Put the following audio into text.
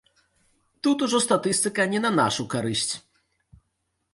Тут ўжо статыстыка не на нашу карысць.